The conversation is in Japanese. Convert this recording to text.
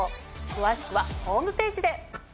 詳しくはホームページで。